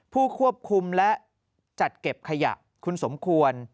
ผู้ควบคุมและจัดเก็บขยะคุณสมควร